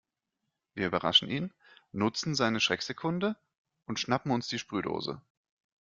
Wir überraschen ihn, nutzen seine Schrecksekunde und schnappen uns die Sprühdose.